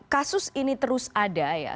kasus ini terus ada ya